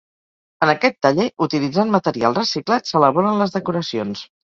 En aquest taller, utilitzant material reciclat, s'elaboren les decoracions.